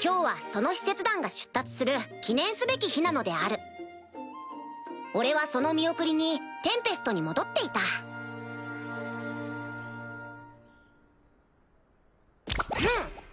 今日はその使節団が出立する記念すべき日なのである俺はその見送りにテンペストに戻っていたフン！